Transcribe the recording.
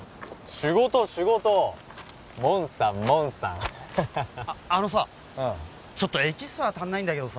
仕事仕事モンサンモンサンハハハあのさちょっとエキストラ足んないんだけどさ